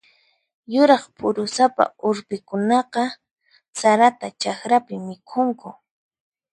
Yuraq phurusapa urpikunaqa sarata chakrapi mikhunku.